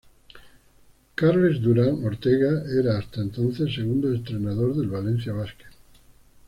Carles Durán Ortega era hasta entonces, segundo entrenador del Valencia Basket.